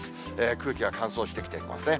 空気が乾燥してきていますね。